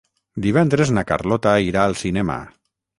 Divendres na Carlota irà al cinema.